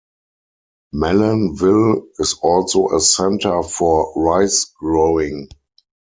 Malanville is also a centre for rice-growing.